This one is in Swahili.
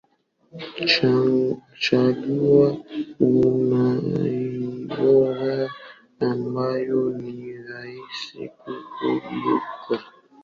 chagua anuani bora ambayo ni rahisi kukumbukwa